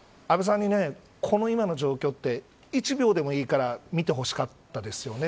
安倍さんに、この今の状況って１秒でもいいから見てほしかったですよね。